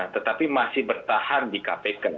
tetapi masih bertahan di kpk